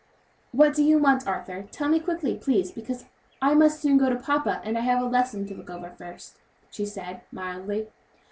"What do you want, Arthur? tell me quickly, please, because I must soon go to papa, and I have a lesson to look over first," she said, mildly.